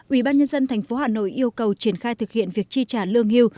ủy ban nhân dân thành phố hà nội yêu cầu triển khai thực hiện việc tri trả lương hưu